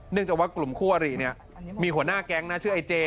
เนื่องจากว่ากลุ่มคู่อารีนี่มีหัวหน้าแก๊งน่าชื่อไอ้เจ